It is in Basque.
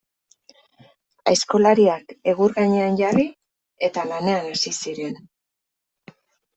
Aizkolariak egur gainean jarri, eta lanean hasi ziren.